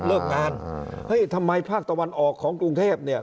เลิกงานเฮ้ยทำไมภาคตะวันออกของกรุงเทพเนี่ย